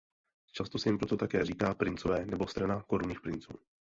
Často se jim proto říká také "princové" nebo "strana korunních princů".